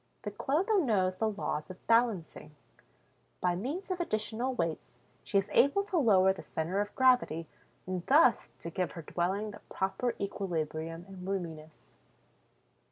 The Clotho knows the laws of balancing; by means of additional weights, she is able to lower the center of gravity and thus to give her dwelling the proper equilibrium and roominess.